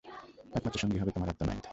একমাত্র সঙ্গী হবে তোমার আর্তনাদ।